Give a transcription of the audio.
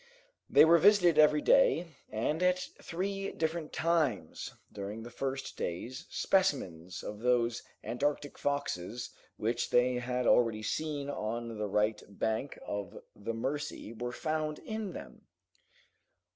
They were visited every day, and at three different times, during the first days, specimens of those Antarctic foxes which they had already seen on the right bank of the Mercy were found in them.